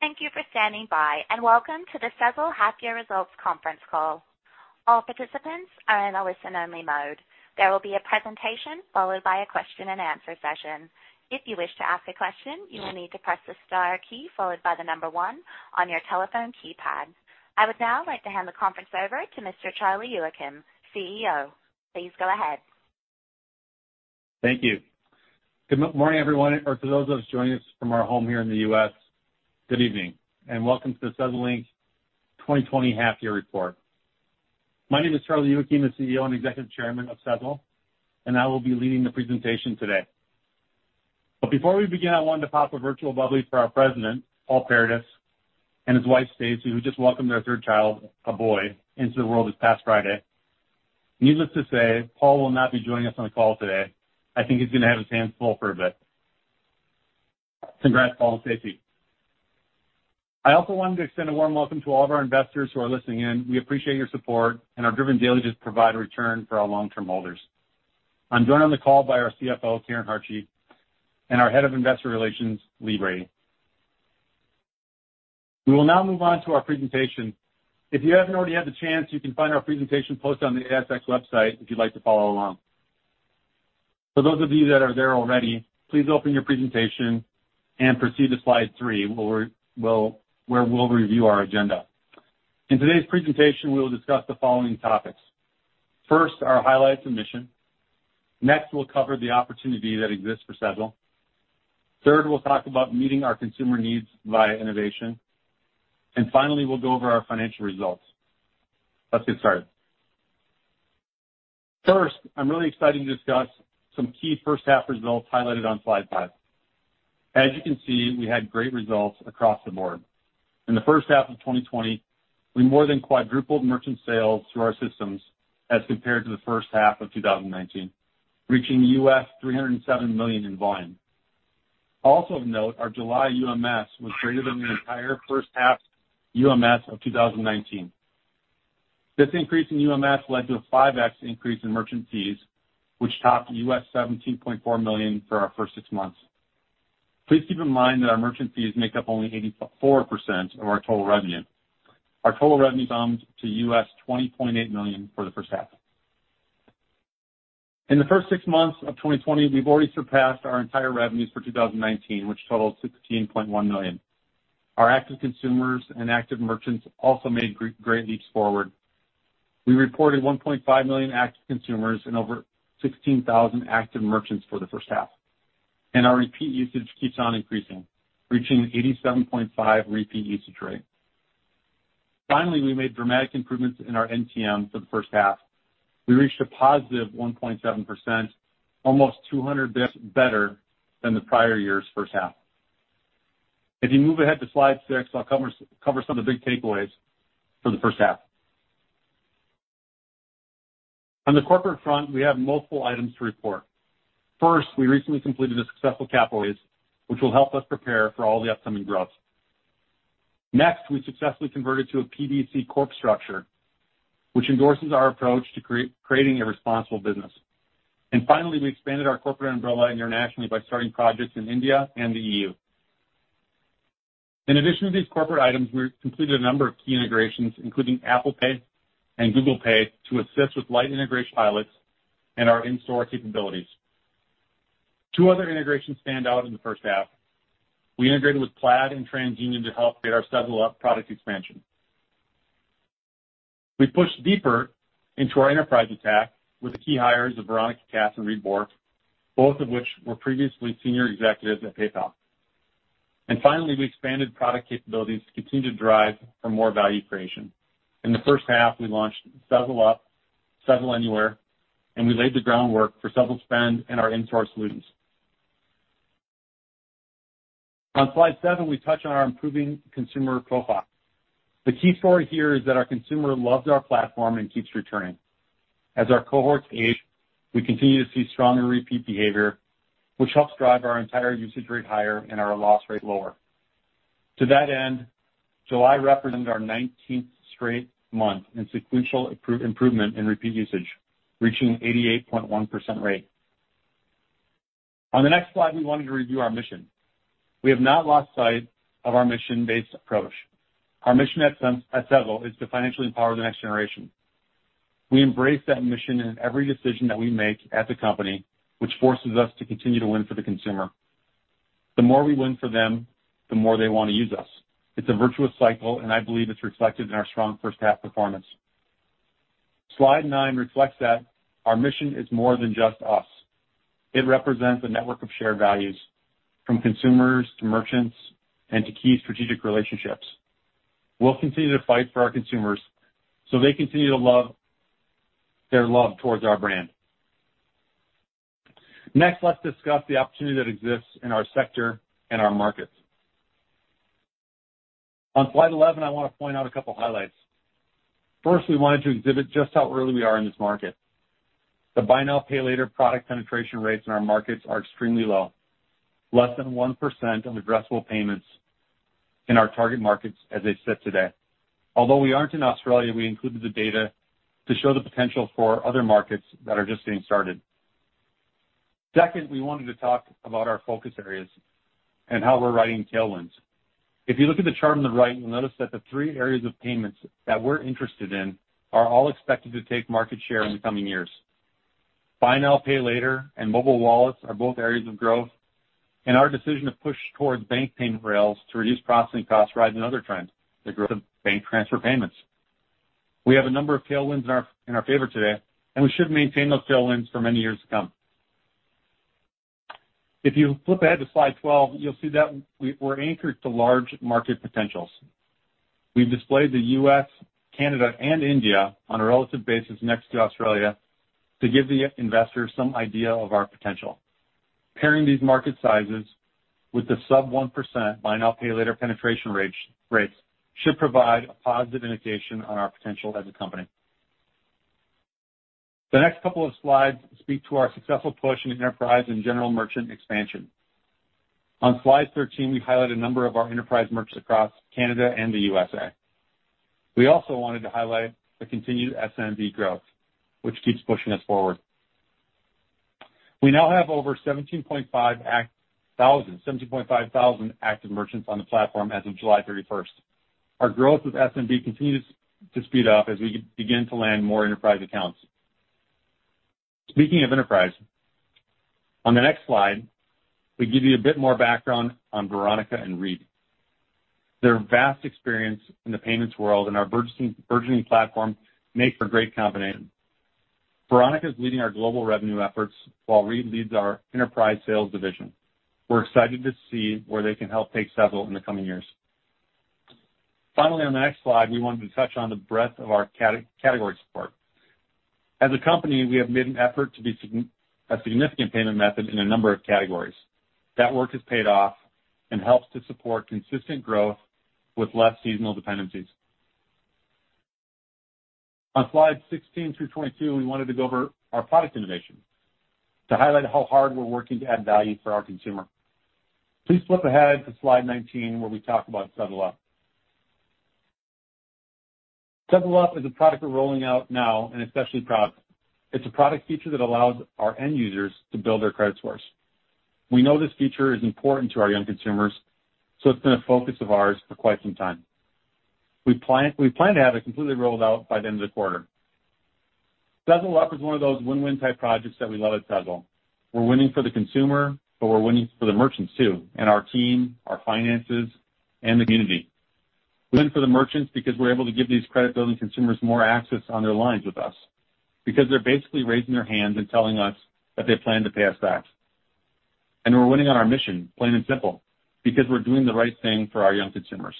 Thank you for standing by, and welcome to the Sezzle Half-Year Results Conference Call. All participants are in a listen-only mode. There will be a presentation followed by a question and answer session. If you wish to ask a question, you will need to press the star key followed by number one on your telephone keypad. I would now like to hand the conference over to Mr. Charlie Youakim, CEO. Please go ahead. Thank you. Good morning, everyone, or for those of us joining us from our home here in the U.S., good evening, and welcome to the Sezzle Inc. 2020 Half-Year Report. My name is Charlie Youakim, the CEO and Executive Chairman of Sezzle, and I will be leading the presentation today. Before we begin, I wanted to pop a virtual bubbly for our President, Paul Paradis, and his wife, Stacy, who just welcomed their third child, a boy, into the world this past Friday. Needless to say, Paul will not be joining us on the call today. I think he's going to have his hands full for a bit. Congrats, Paul and Stacy. I also wanted to extend a warm welcome to all of our investors who are listening in. We appreciate your support and are driven daily to provide a return for our long-term holders. I'm joined on the call by our CFO, Karen Hartje, and our Head of Investor Relations, Lee Brading. We will now move on to our presentation. If you haven't already had the chance, you can find our presentation posted on the ASX website if you'd like to follow along. For those of you that are there already, please open your presentation and proceed to slide three, where we'll review our agenda. In today's presentation, we will discuss the following topics. First, our highlights and mission. Next, we'll cover the opportunity that exists for Sezzle. Third, we'll talk about meeting our consumer needs via innovation. Finally, we'll go over our financial results. Let's get started. First, I'm really excited to discuss some key first half results highlighted on slide five. As you can see, we had great results across the board. In the first half of 2020, we more than quadrupled merchant sales through our systems as compared to the first half of 2019, reaching $307 million in volume. Also of note, our July UMS was greater than the entire first half's UMS of 2019. This increase in UMS led to a 5x increase in merchant fees, which topped $17.4 million for our first six months. Please keep in mind that our merchant fees make up only 84% of our total revenue. Our total revenues summed to $20.8 million for the first half. In the first six months of 2020, we've already surpassed our entire revenues for 2019, which totaled $16.1 million. Our active consumers and active merchants also made great leaps forward. We reported 1.5 million active consumers and over 16,000 active merchants for the first half. Our repeat usage keeps on increasing, reaching 87.5% repeat usage rate. Finally, we made dramatic improvements in our NTM for the first half. We reached a positive 1.7%, almost 200 basis better than the prior-year's first half. If you move ahead to slide six, I'll cover some of the big takeaways for the first half. On the corporate front, we have multiple items to report. First, we recently completed a successful capital raise, which will help us prepare for all the upcoming growth. Next, we successfully converted to a PBC Corp structure, which endorses our approach to creating a responsible business. Finally, we expanded our corporate umbrella internationally by starting projects in India and the E.U. In addition to these corporate items, we completed a number of key integrations, including Apple Pay and Google Pay, to assist with light integration pilots and our in-store capabilities. Two other integrations stand out in the first half. We integrated with Plaid and TransUnion to help create our Sezzle Up product expansion. We pushed deeper into our enterprise attack with the key hires of Veronica Katz and Reid Bork, both of which were previously senior executives at PayPal. Finally, we expanded product capabilities to continue to drive for more value creation. In the first half, we launched Sezzle Up, Sezzle Anywhere, and we laid the groundwork for Sezzle Spend and our in-store solutions. On slide seven, we touch on our improving consumer cohort. The key story here is that our consumer loves our platform and keeps returning. As our cohorts age, we continue to see stronger repeat behavior, which helps drive our entire usage rate higher and our loss rate lower. To that end, July represented our 19th straight month in sequential improvement in repeat usage, reaching 88.1% rate. On the next slide, we wanted to review our mission. We have not lost sight of our mission-based approach. Our mission at Sezzle is to financially empower the next generation. We embrace that mission in every decision that we make at the company, which forces us to continue to win for the consumer. The more we win for them, the more they want to use us. It's a virtuous cycle, and I believe it's reflected in our strong first half performance. Slide nine reflects that our mission is more than just us. It represents a network of shared values, from consumers to merchants and to key strategic relationships. We'll continue to fight for our consumers so they continue their love towards our brand. Let's discuss the opportunity that exists in our sector and our markets. On slide 11, I want to point out a couple highlights. We wanted to exhibit just how early we are in this market. The buy now, pay later product penetration rates in our markets are extremely low, less than 1% of addressable payments in our target markets as they sit today. Although we aren't in Australia, we included the data to show the potential for other markets that are just getting started. We wanted to talk about our focus areas and how we're riding tailwinds. If you look at the chart on the right, you'll notice that the three areas of payments that we're interested in are all expected to take market share in the coming years. Buy now, pay later and mobile wallets are both areas of growth, and our decision to push towards bank payment rails to reduce processing costs rides another trend, the growth of bank transfer payments. We have a number of tailwinds in our favor today, and we should maintain those tailwinds for many years to come. If you flip ahead to slide 12, you'll see that we're anchored to large market potentials. We've displayed the U.S., Canada, and India on a relative basis next to Australia to give the investor some idea of our potential. Pairing these market sizes with the sub 1% buy now, pay later penetration rates should provide a positive indication on our potential as a company. The next couple of slides speak to our successful push in enterprise and general merchant expansion. On slide 13, we highlight a number of our enterprise merchants across Canada and the U.S.A. We also wanted to highlight the continued SMB growth, which keeps pushing us forward. We now have over 17,500 active merchants on the platform as of July 31st. Our growth with SMB continues to speed up as we begin to land more enterprise accounts. Speaking of enterprise, on the next slide, we give you a bit more background on Veronica and Reid. Their vast experience in the payments world and our burgeoning platform make for great combination. Veronica's leading our global revenue efforts while Reid leads our enterprise sales division. We're excited to see where they can help take Sezzle in the coming years. Finally, on the next slide, we wanted to touch on the breadth of our category support. As a company, we have made an effort to be a significant payment method in a number of categories. That work has paid off and helps to support consistent growth with less seasonal dependencies. On slide 16 through 22, we wanted to go over our product innovation to highlight how hard we're working to add value for our consumer. Please flip ahead to slide 19, where we talk about Sezzle Up. Sezzle Up is a product we're rolling out now. It's a product feature that allows our end users to build their credit scores. We know this feature is important to our young consumers, so it's been a focus of ours for quite some time. We plan to have it completely rolled out by the end of the quarter. Sezzle Up is one of those win-win type projects that we love at Sezzle. We're winning for the consumer, but we're winning for the merchants too, and our team, our finances, and the community. We win for the merchants because we're able to give these credit-building consumers more access on their lines with us because they're basically raising their hands and telling us that they plan to pay us back. We're winning on our mission, plain and simple, because we're doing the right thing for our young consumers.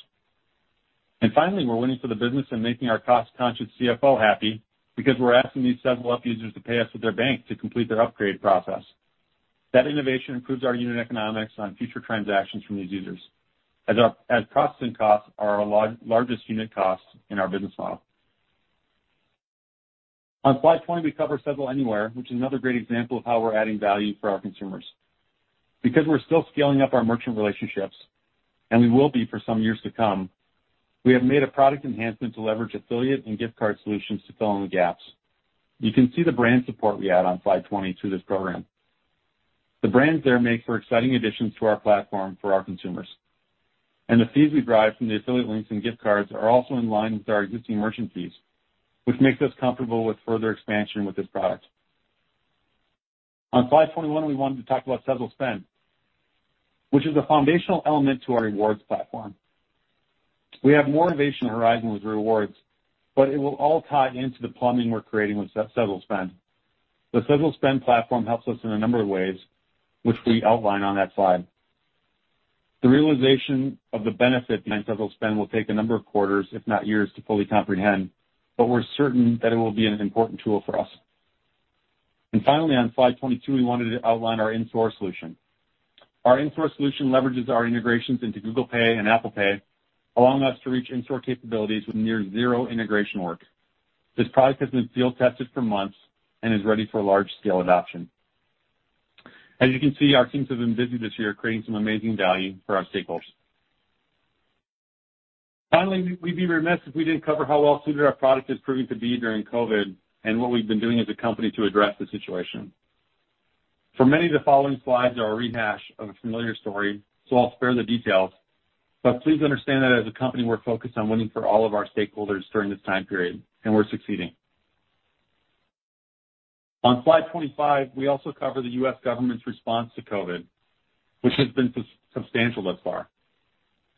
Finally, we're winning for the business and making our cost-conscious CFO happy because we're asking these Sezzle Up users to pay us with their bank to complete their upgrade process. That innovation improves our unit economics on future transactions from these users, as processing costs are our largest unit costs in our business model. On slide 20, we cover Sezzle Anywhere, which is another great example of how we're adding value for our consumers. We're still scaling up our merchant relationships, and we will be for some years to come, we have made a product enhancement to leverage affiliate and gift card solutions to fill in the gaps. You can see the brand support we add on slide 20 through this program. The brands there make for exciting additions to our platform for our consumers. The fees we derive from the affiliate links and gift cards are also in line with our existing merchant fees, which makes us comfortable with further expansion with this product. On slide 21, we wanted to talk about Sezzle Spend, which is a foundational element to our rewards platform. We have more innovation horizon with rewards, it will all tie into the plumbing we're creating with Sezzle Spend. The Sezzle Spend platform helps us in a number of ways, which we outline on that slide. The realization of the benefit behind Sezzle Spend will take a number of quarters, if not years, to fully comprehend, but we're certain that it will be an important tool for us. Finally, on slide 22, we wanted to outline our in-store solution. Our in-store solution leverages our integrations into Google Pay and Apple Pay, allowing us to reach in-store capabilities with near zero integration work. This product has been field-tested for months and is ready for large-scale adoption. As you can see, our teams have been busy this year creating some amazing value for our stakeholders. Finally, we'd be remiss if we didn't cover how well-suited our product is proving to be during COVID and what we've been doing as a company to address the situation. For many, the following slides are a rehash of a familiar story, so I'll spare the details, but please understand that as a company, we're focused on winning for all of our stakeholders during this time period, and we're succeeding. On slide 25, we also cover the U.S. government's response to COVID, which has been substantial thus far.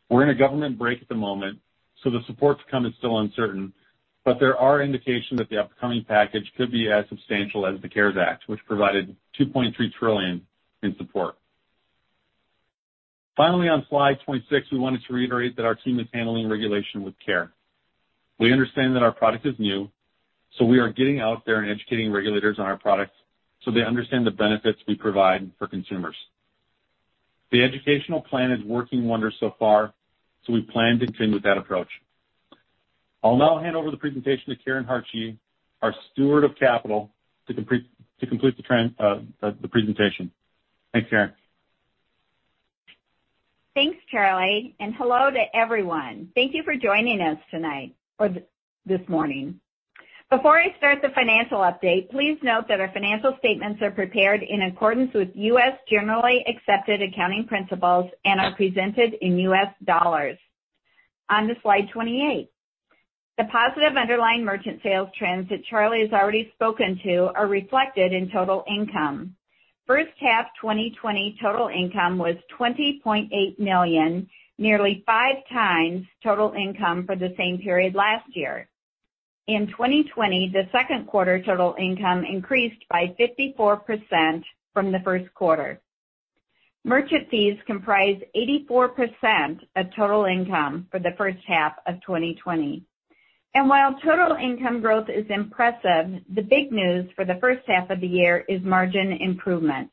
We're in a government break at the moment, so the support to come is still uncertain, but there are indications that the upcoming package could be as substantial as the CARES Act, which provided $2.3 trillion in support. On slide 26, we wanted to reiterate that our team is handling regulation with care. We understand that our product is new, so we are getting out there and educating regulators on our products so they understand the benefits we provide for consumers. The educational plan is working wonders so far. We plan to continue that approach. I'll now hand over the presentation to Karen Hartje, our steward of capital, to complete the presentation. Thanks, Karen. Thanks, Charlie, and hello to everyone. Thank you for joining us tonight or this morning. Before I start the financial update, please note that our financial statements are prepared in accordance with U.S. Generally Accepted Accounting Principles and are presented in U.S. dollars. On to slide 28. The positive underlying merchant sales trends that Charlie has already spoken to are reflected in total income. First half 2020 total income was $20.8 million, nearly 5x total income for the same period last year. In 2020, the second quarter total income increased by 54% from the first quarter. Merchant fees comprise 84% of total income for the first half of 2020. While total income growth is impressive, the big news for the first half of the year is margin improvement.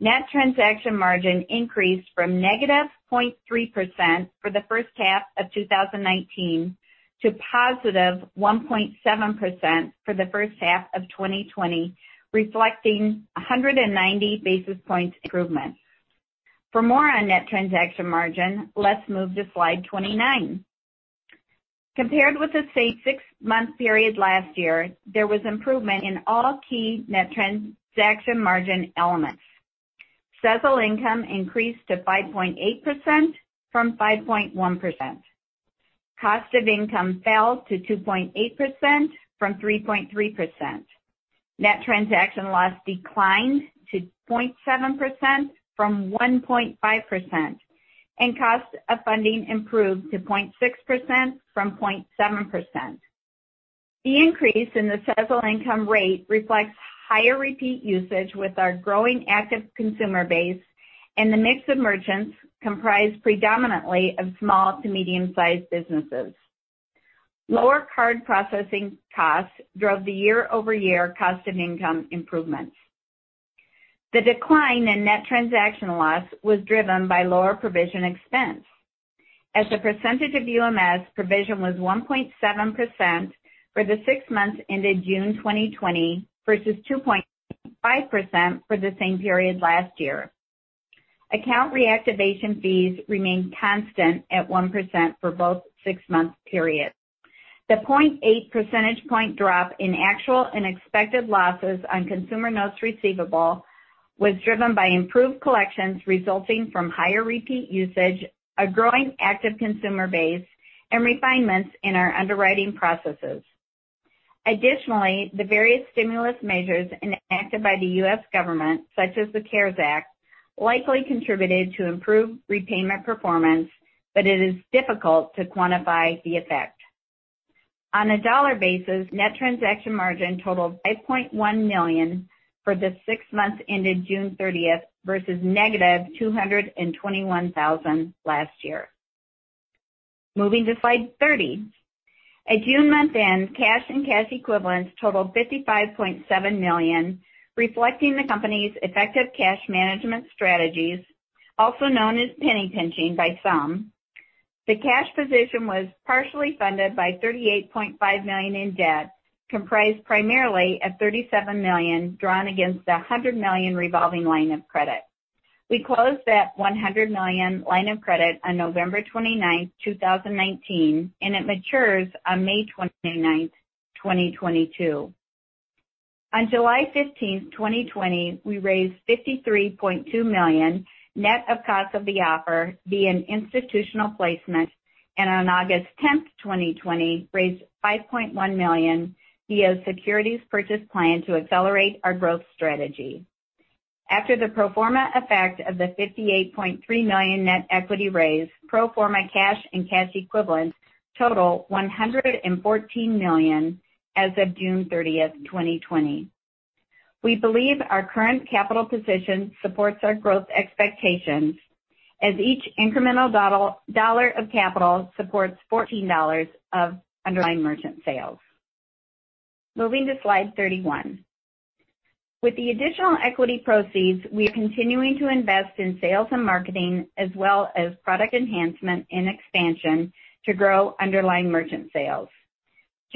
Net Transaction Margin increased from -0.3% for the first half of 2019 to +1.7% for the first half of 2020, reflecting 190 basis points improvement. For more on Net Transaction Margin, let's move to slide 29. Compared with the same six-month period last year, there was improvement in all key Net Transaction Margin elements. Sezzle income increased to 5.8% from 5.1%. Cost of income fell to 2.8% from 3.3%. Net transaction loss declined to 0.7% from 1.5%, and cost of funding improved to 0.6% from 0.7%. The increase in the Sezzle income rate reflects higher repeat usage with our growing active consumer base and the mix of merchants comprised predominantly of small to medium-sized businesses. Lower card processing costs drove the year-over-year cost of income improvements. The decline in net transaction loss was driven by lower provision expense. As a percentage of UMS, provision was 1.7% for the six months ended June 2020 versus 2.5% for the same period last year. Account reactivation fees remained constant at 1% for both six-month periods. The 0.8 percentage point drop in actual and expected losses on consumer notes receivable was driven by improved collections resulting from higher repeat usage, a growing active consumer base, and refinements in our underwriting processes. Additionally, the various stimulus measures enacted by the U.S. government, such as the CARES Act, likely contributed to improved repayment performance, but it is difficult to quantify the effect. On a dollar basis, Net Transaction Margin totaled $5.1 million for the six months ended June 30 versus negative $221,000 last year. Moving to slide 30. At June month-end, cash and cash equivalents totaled $55.7 million, reflecting the company's effective cash management strategies, also known as penny-pinching by some. The cash position was partially funded by $38.5 million in debt, comprised primarily of $37 million drawn against the $100 million revolving line of credit. We closed that $100 million line of credit on November 29th, 2019, and it matures on May 29th, 2022. On July 15th, 2020, we raised $53.2 million net of cost of the offer via an institutional placement, and on August 10th, 2020, raised $5.1 million via securities purchase plan to accelerate our growth strategy. After the pro forma effect of the $58.3 million net equity raise, pro forma cash and cash equivalents total $114 million as of June 30th, 2020. We believe our current capital position supports our growth expectations as each incremental dollar of capital supports $14 of underlying merchant sales. Moving to slide 31. With the additional equity proceeds, we are continuing to invest in sales and marketing as well as product enhancement and expansion to grow underlying merchant sales.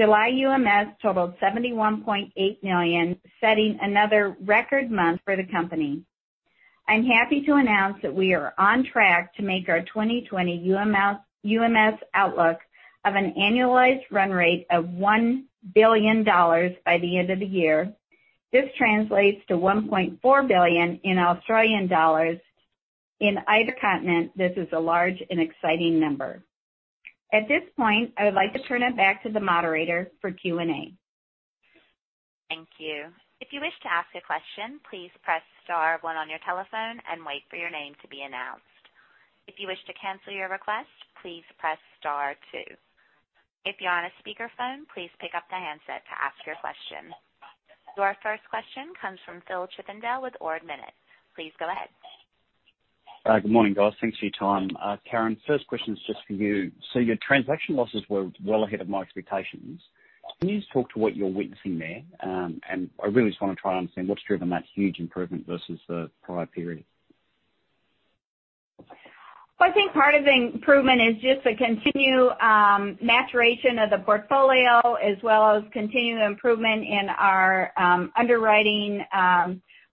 July UMS totaled $71.8 million, setting another record month for the company. I'm happy to announce that we are on track to make our 2020 UMS outlook of an annualized run-rate of $1 billion by the end of the year. This translates to 1.4 billion. In either continent, this is a large and exciting number. At this point, I would like to turn it back to the moderator for Q&A. Thank you. If you wish to ask a question please press star one on your telephone and wait for your name to be announced. If you wish to cancel your request please press star two. If you are on a speaker phone please pick up the handset to ask your question. Our first question comes from Phil Chippendale with Ord Minnett. Please go ahead. Good morning, guys. Thanks for your time. Karen, first question is just for you. Your transaction losses were well ahead of my expectations. Can you just talk to what you're witnessing there? I really just want to try and understand what's driven that huge improvement versus the prior-period. Well, I think part of the improvement is just the continued maturation of the portfolio, as well as continued improvement in our underwriting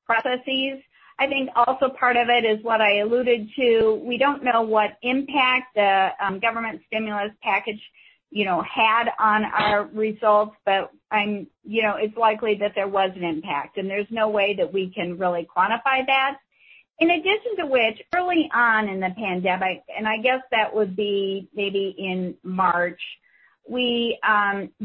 processes. I think also part of it is what I alluded to, we don't know what impact the government stimulus package had on our results, but it's likely that there was an impact, and there's no way that we can really quantify that. In addition to which, early on in the pandemic, and I guess that would be maybe in March, we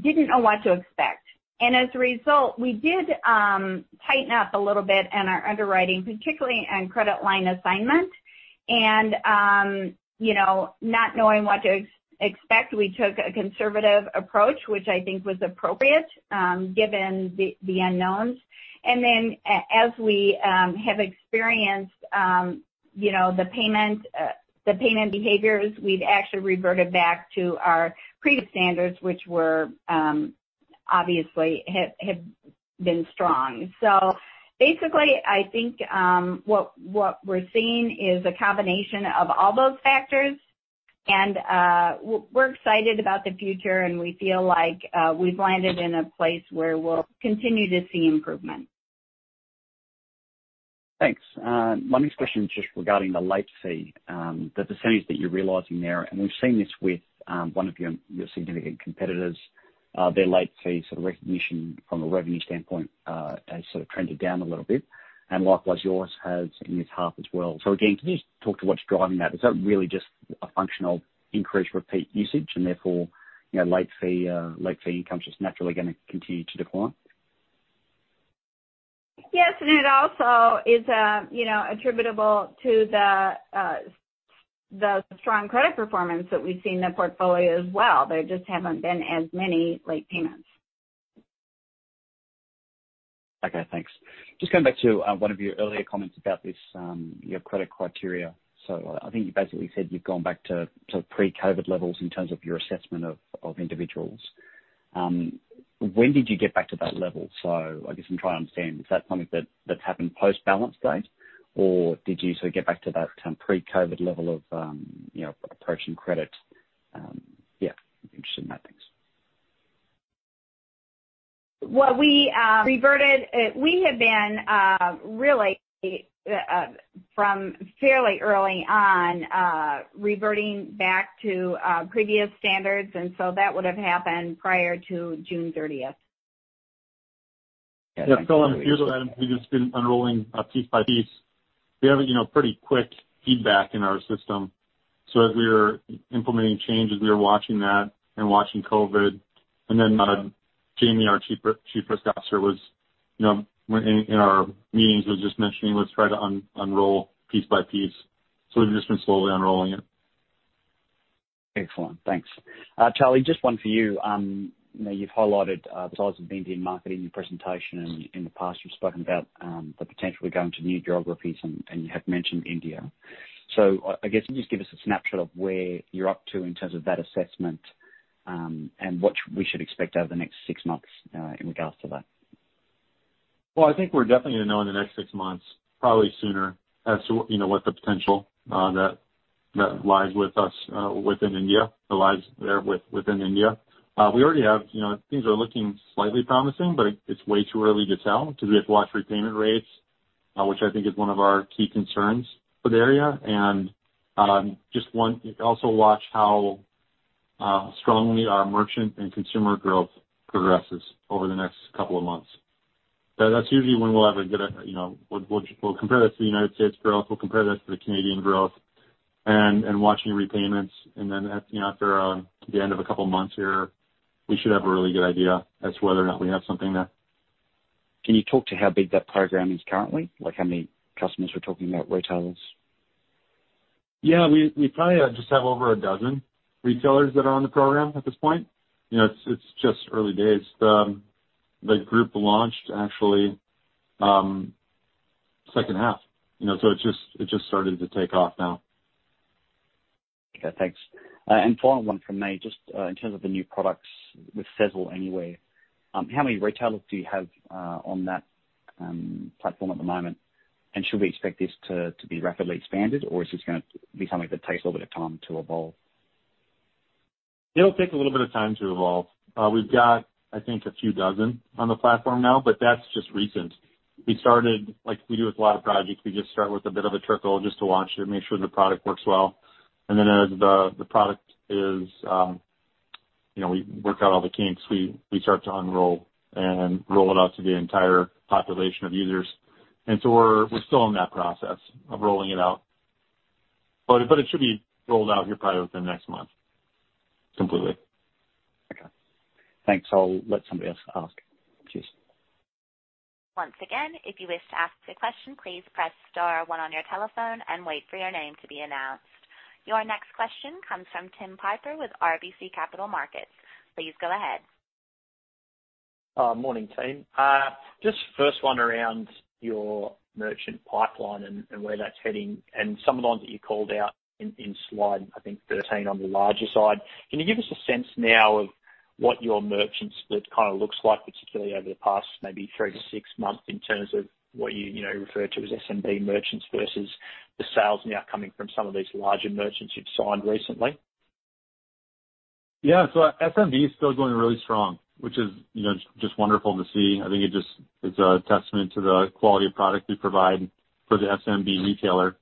didn't know what to expect. As a result, we did tighten-up a little bit in our underwriting, particularly on credit line assignment. Not knowing what to expect, we took a conservative approach, which I think was appropriate given the unknowns. As we have experienced the payment behaviors, we've actually reverted back to our previous standards, which obviously have been strong. Basically, I think what we're seeing is a combination of all those factors, and we're excited about the future, and we feel like we've landed in a place where we'll continue to see improvement. Thanks. My next question is just regarding the late fee, the percentage that you're realizing there. We've seen this with one of your significant competitors. Their late fee sort of recognition from a revenue standpoint has sort of trended down a little bit. Likewise, yours has in this half as well. Again, can you just talk to what's driving that? Is that really just a function of increased repeat usage and therefore, late fee income's just naturally going to continue to decline? Yes. It also is attributable to the strong credit performance that we've seen in the portfolio as well. There just haven't been as many late payments. Okay, thanks. Just going back to one of your earlier comments about your credit criteria. I think you basically said you've gone back to pre-COVID levels in terms of your assessment of individuals. When did you get back to that level? I guess I'm trying to understand, is that something that happened post-balance date, or did you get back to that pre-COVID level of approaching credit? Yeah, interested in that. Thanks. Well, we have been, really from fairly early on, reverting back to previous standards, and so that would have happened prior to June 30th. Yeah. Yeah. On the we've just been unrolling piece by piece. We have a pretty quick feedback in our system. As we were implementing changes, we were watching that and watching COVID. Jamie, our Chief Risk Officer, in our meetings, was just mentioning, let's try to unroll piece by piece. We've just been slowly unrolling it. Excellent. Thanks. Charlie, just one for you. You've highlighted the size of the Indian market in your presentation, and in the past, you've spoken about the potential of going to new geographies, and you have mentioned India. I guess can you just give us a snapshot of where you're up to in terms of that assessment, and what we should expect over the next six months, in regards to that? Well, I think we're definitely going to know in the next six months, probably sooner, as to what the potential that lies with us within India. We already have. Things are looking slightly promising, but it's way too early to tell because we have to watch repayment rates, which I think is one of our key concerns for the area. Also watch how strongly our merchant and consumer growth progresses over the next couple of months. That's usually when we'll compare that to the United States growth, we'll compare that to the Canadian growth and watching repayments. Then after the end of a couple of months here, we should have a really good idea as to whether or not we have something there. Can you talk to how big that program is currently? How many customers we're talking about, retailers? We probably just have over 12 retailers that are on the program at this point. It's just early days. The group launched actually second half. It's just starting to take off now. Okay, thanks. Final one from me, just in terms of the new products with Sezzle Anywhere, how many retailers do you have on that platform at the moment? Should we expect this to be rapidly expanded, or is this going to be something that takes a little bit of time to evolve? It'll take a little bit of time to evolve. We've got, I think, a few dozen on the platform now, but that's just recent. We started, like we do with a lot of projects, we just start with a bit of a trickle just to launch it and make sure the product works well. Then we work out all the kinks, we start to unroll and roll it out to the entire population of users. So we're still in that process of rolling it out. It should be rolled out here probably within the next month completely. Okay. Thanks. I'll let somebody else ask. Cheers. Once again if you wish to ask a question please press star one on your telephone and wait for your name to be announced. Your next question comes from Tim Piper with RBC Capital Markets. Please go ahead. Morning team. Just first one around your merchant pipeline and where that's heading and some of the ones that you called out in slide, I think, 13 on the larger side. Can you give us a sense now of what your merchant split kind of looks like, particularly over the past maybe three to six months, in terms of what you refer to as SMB merchants versus the sales now coming from some of these larger merchants you've signed recently? Yeah. SMB is still going really strong, which is just wonderful to see. I think it just is a testament to the quality of product we provide for the SMB retailer.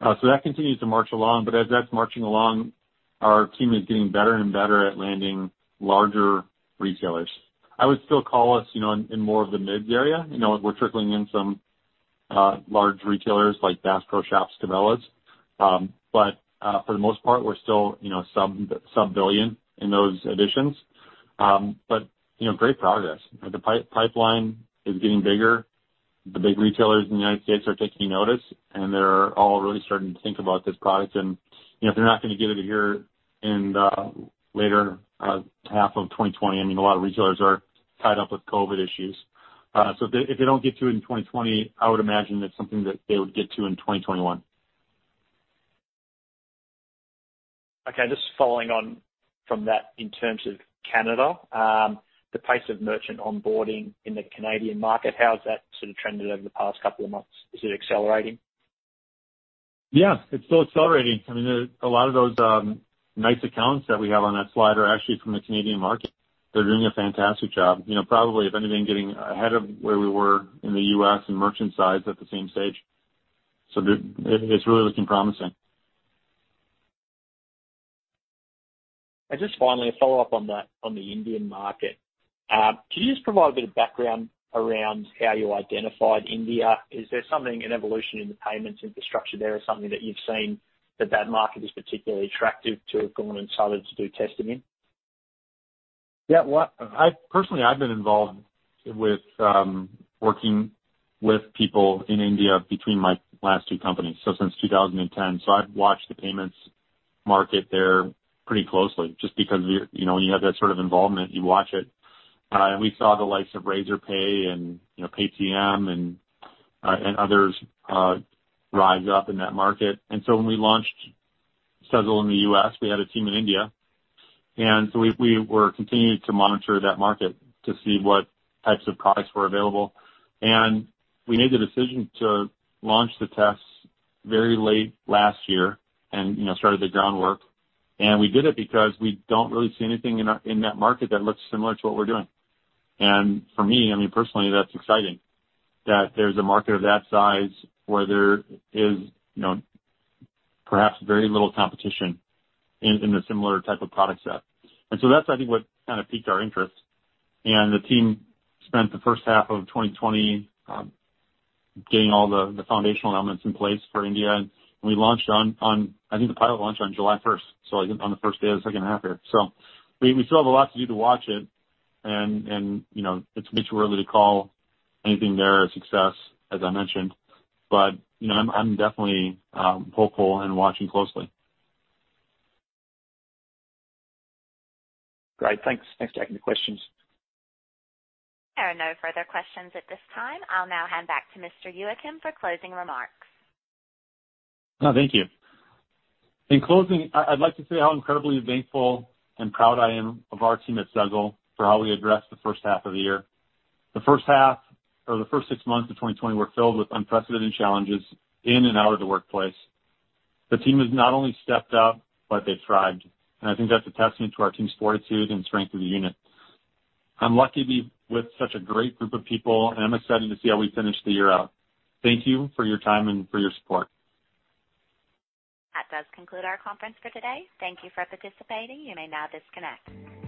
That continues to march along. As that's marching along, our team is getting better and better at landing larger retailers. I would still call us in more of the mids area. We're trickling in some large retailers like Bass Pro Shops, Cabela's. For the most part, we're still sub-billion in those additions. Great progress. The pipeline is getting bigger. The big retailers in the U.S. are taking notice, and they're all really starting to think about this product. If they're not going to get it here in the later half of 2020, I mean, a lot of retailers are tied up with COVID issues. If they don't get to it in 2020, I would imagine it's something that they would get to in 2021. Okay. Just following on from that, in terms of Canada, the pace of merchant onboarding in the Canadian market, how has that sort of trended over the past couple of months? Is it accelerating? Yeah, it's still accelerating. I mean, a lot of those nice accounts that we have on that slide are actually from the Canadian market. They're doing a fantastic job. Probably, if anything, getting ahead of where we were in the U.S. in merchant size at the same stage. It's really looking promising. Just finally, a follow-up on the Indian market. Could you just provide a bit of background around how you identified India? Is there something, an evolution in the payments infrastructure there, or something that you've seen that that market is particularly attractive to have gone and started to do testing in? Yeah. Personally, I've been involved with working with people in India between my last two companies, so since 2010. I've watched the payments market there pretty closely just because when you have that sort of involvement, you watch it. We saw the likes of Razorpay and Paytm and others rise up in that market. When we launched Sezzle in the U.S., we had a team in India, and so we were continuing to monitor that market to see what types of products were available. We made the decision to launch the tests very late last year and started the groundwork. We did it because we don't really see anything in that market that looks similar to what we're doing. For me, I mean, personally, that's exciting, that there's a market of that size where there is perhaps very little competition in the similar type of product set. That's, I think, what kind of piqued our interest. The team spent the first half of 2020 getting all the foundational elements in place for India, and we launched on, I think the pilot launched on July 1st, so on the first day of the second half there. We still have a lot to do to watch it and it's much too early to call anything there a success, as I mentioned. I'm definitely hopeful and watching closely. Great. Thanks. Thanks for taking the questions. There are no further questions at this time. I'll now hand back to Mr. Youakim for closing remarks. No, thank you. In closing, I'd like to say how incredibly thankful and proud I am of our team at Sezzle for how we addressed the first half of the year. The first half or the first six months of 2020 were filled with unprecedented challenges in and out of the workplace. The team has not only stepped up, but they've thrived, and I think that's a testament to our team's fortitude and strength of the unit. I'm lucky to be with such a great group of people, and I'm excited to see how we finish the year out. Thank you for your time and for your support. That does conclude our conference for today. Thank you for participating. You may now disconnect.